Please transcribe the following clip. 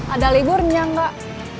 ada liburnya nggak